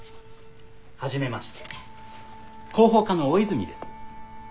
はじめまして広報課の大泉です。